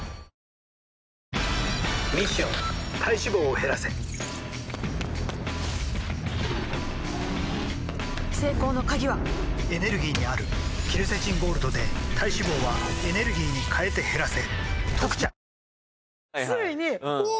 ミッション体脂肪を減らせ成功の鍵はエネルギーにあるケルセチンゴールドで体脂肪はエネルギーに変えて減らせ「特茶」